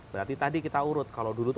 berarti tadi kita urut kalau dulu itu